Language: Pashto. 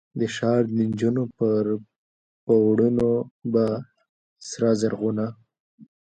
د ښار دنجونو پر پوړونو به، سره زرغونه،